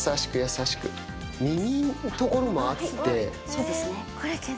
そうですね。